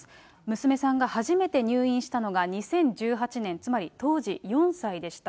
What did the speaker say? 娘さんが初めて入院したのが２０１８年、つまり当時４歳でした。